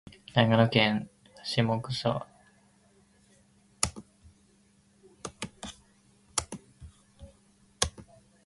長野県喬木村